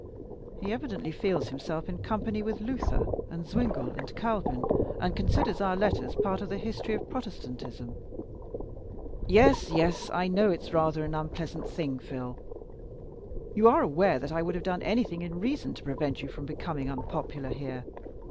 He evidently feels himself in company with Luther and Zwingle and Calvin, and considers our letters part of the history of Protestantism." "Yes, yes. I know it's rather an unpleasant thing, Phil. You are aware that I would have done anything in reason to prevent you from becoming unpopular here.